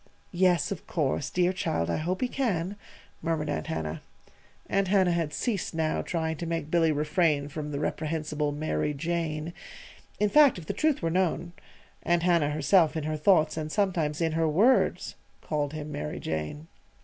"Yes, of course. Dear child! I hope he can," murmured Aunt Hannah. (Aunt Hannah had ceased now trying to make Billy refrain from the reprehensible "Mary Jane." In fact, if the truth were known, Aunt Hannah herself in her thoughts and sometimes in her words called him "Mary Jane.")